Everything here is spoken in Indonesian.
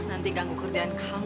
nanti ganggu kerjaan kamu